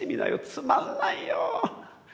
つまんないよぉ。